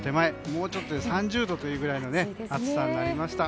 もうちょっとで３０度というくらいの暑さになりました。